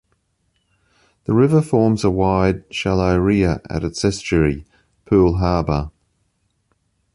The river forms a wide, shallow ria at its estuary, Poole Harbour.